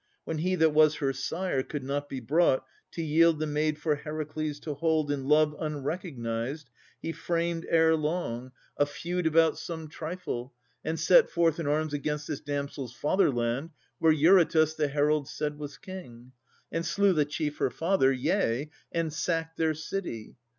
When he that was her sire could not be brought To yield the maid for Heracles to hold In love unrecognized, he framed erelong A feud about some trifle, and set forth In arms against this damsel's fatherland (Where Eurytus, the herald said, was king) And slew the chief her father; yea, and sacked Their city.